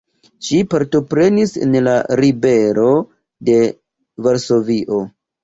Ŝi partoprenis en la ribelo de Varsovio.